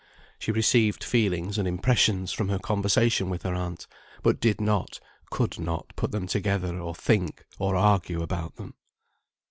She received feelings and impressions from her conversation with her aunt, but did not, could not, put them together, or think or argue about them.